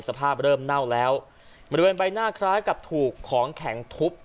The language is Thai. สภาพเริ่มเน่าแล้วบริเวณใบหน้าคล้ายกับถูกของแข็งทุบ